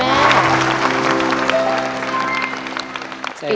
สวัสดีครับคุณแม่